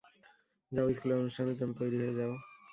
যাও, স্কুলের অনুষ্ঠানের জন্য তৈরি হও, যাও।